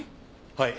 はい。